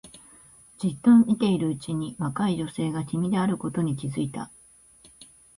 じっと見ているうちに若い女性が君であることに気がついた